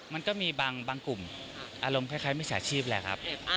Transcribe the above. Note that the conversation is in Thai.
มันก็มีบางกลุ่มอารมณ์คล้ายมิจฉาชีพแหละครับ